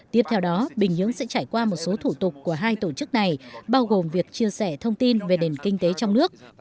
tiếp theo đó bình nhưỡng sẽ trải qua một số thủ tục của hai tổ chức này bao gồm việc chia sẻ thông tin về nền kinh tế trong nước